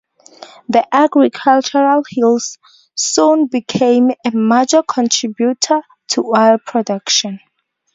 The agricultural hills soon became a major contributor to oil production.